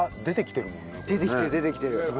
出てきてる出てきてる。